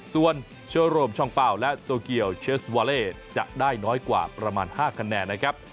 ส่วนเชอโรมช่องเป้าและโตเกียวเชสวาเล่จะได้น้อยกว่าประมาณ๕คะแนนนะครับ